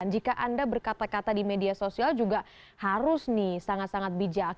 jika anda berkata kata di media sosial juga harus nih sangat sangat bijak